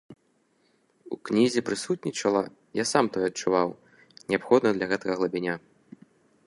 У кнізе прысутнічала, я сам тое адчуваў, неабходная для гэтага глыбіня.